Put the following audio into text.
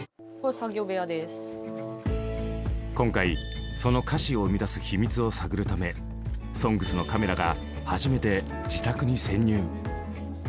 今回その歌詞を生み出す秘密を探るため「ＳＯＮＧＳ」のカメラが初めて自宅に潜入！